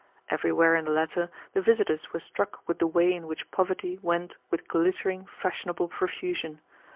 Everywhere in the latter the visitors were struck with the way in which poverty went with glittering, fashionable profusion.